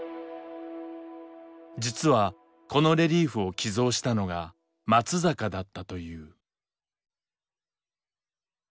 実はこのレリーフを寄贈したのが松坂だったという。